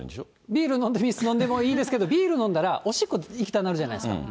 ビール飲んで水飲んでもいいですけど、おしっこ行きたなるじゃないですか。